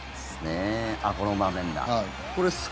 あっ、この場面だ。